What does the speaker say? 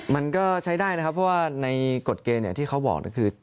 มันก็ใช้ได้นะครับเพราะว่าในกฎเกณฑ์อย่างที่เขาบอกก็คือ